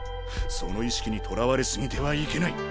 その意識にとらわれ過ぎてはいけない。